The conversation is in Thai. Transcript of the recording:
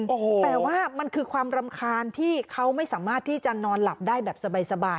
แต่ว่ามันคือความรำคาญที่เขาไม่สามารถที่จะนอนหลับได้แบบสบาย